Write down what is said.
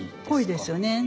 濃いですよね。